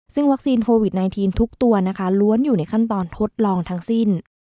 ซึ่งวัคซีนโควิด๑๙ทุกตัวนะคะล้วนอยู่ในขั้นตอนทดลองทั้งสิ้น